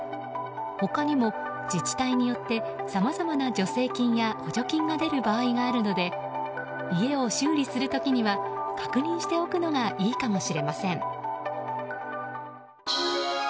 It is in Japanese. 他にも自治体によってさまざまな助成金や補助金が出る場合があるので家を修理する時には確認しておくのがいいかもしれません。